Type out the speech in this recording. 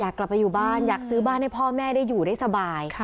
กลับไปอยู่บ้านอยากซื้อบ้านให้พ่อแม่ได้อยู่ได้สบาย